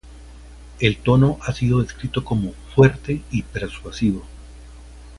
El tono ha sido descrito como fuerte y persuasivo.